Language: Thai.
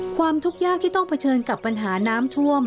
ความทุกข์ยากที่ต้องเผชิญกับปัญหาน้ำท่วม